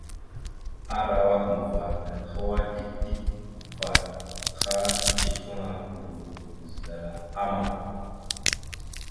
Arawak mafarakal hwa dik dik vvaɗ, ha icefaŋa, udoro guzədalah amat.